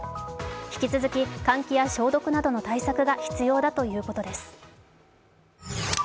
引き続き換気や消毒などの対策が必要だとのことです。